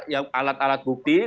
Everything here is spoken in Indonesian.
yang alat alat bukti